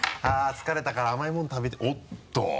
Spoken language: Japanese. あぁ疲れたから甘いもの食べたいおっと！